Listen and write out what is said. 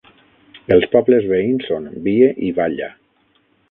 Els pobles veïns són Bie i Valla.